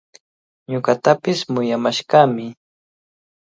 Ñuqatapish muyamashqami.